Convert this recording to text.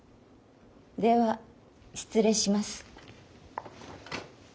では失礼します。